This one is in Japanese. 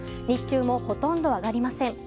日中もほとんど上がりません。